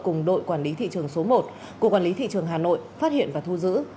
cùng đội quản lý thị trường số một của quản lý thị trường hà nội phát hiện và thu giữ